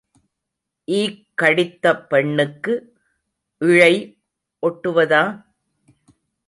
ஈக் கடித்த பெண்ணுக்கு இழை ஒட்டுவதா?